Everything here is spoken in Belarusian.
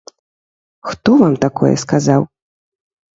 Хто вам такое сказаў?